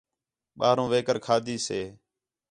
ٻاہروں وِہ کر کھادی سے